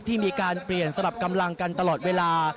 ที่มีการเปลี่ยนสลับกำลังกันตลอดเวลา